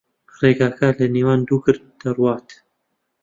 ڕێگاکە لەنێوان دوو گرد دەڕوات.